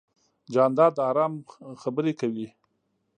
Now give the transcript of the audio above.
جانداد د ارام خبرې کوي.